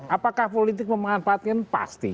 apakah politik memanfaatkan pasti